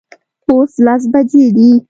اوس لس بجې دي